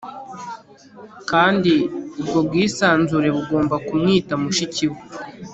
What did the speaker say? kandi ubwo bwisanzure bugomba kumwita mushiki we